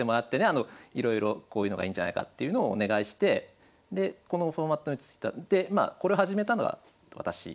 あのいろいろこういうのがいいんじゃないかっていうのをお願いしてでこのフォーマットにでまあこれ始めたのは私からですね。